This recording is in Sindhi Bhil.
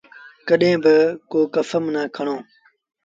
ڪڏهيݩ با ڪو ڪسم نا کڻو۔